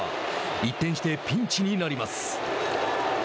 一転してピンチになります。